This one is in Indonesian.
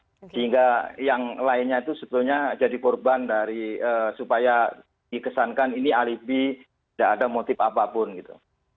sehingga yang lainnya itu sebetulnya jadi korban dari supaya dikesankan ini alibi tidak ada motif apapun gitu